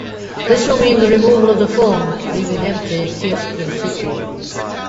This will mean the removal of the phone, leaving the empty kiosk in-situ.